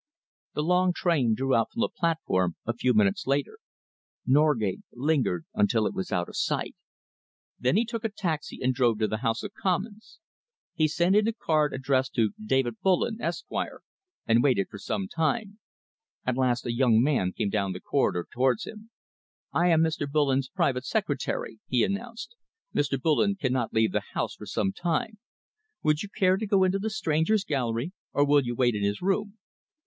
The long train drew out from the platform a few minutes later. Norgate lingered until it was out of sight. Then he took a taxi and drove to the House of Commons. He sent in a card addressed to David Bullen, Esq., and waited for some time. At last a young man came down the corridor towards him. "I am Mr. Bullen's private secretary," he announced. "Mr. Bullen cannot leave the House for some time. Would you care to go into the Strangers' Gallery, or will you wait in his room?"